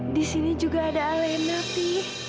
di sini juga ada alena p